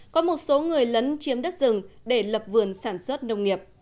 có một số người lấn chiếm đất rừng để lập vườn sản xuất nông nghiệp